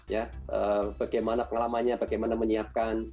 ya bagaimana pengalamannya bagaimana menyiapkan